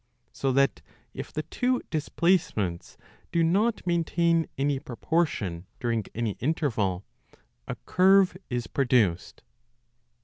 So that, if the two displacements do not maintain any proportion during any interval, a curve is produced.